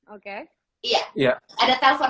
oke iya ada telpon